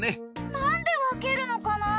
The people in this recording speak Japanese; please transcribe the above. なんで分けるのかな？